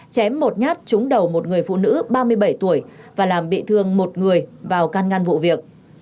chém một nhát trúng đầu một người phụ nữ ba mươi bảy tuổi và làm bị thương một người vào can ngăn vụ việc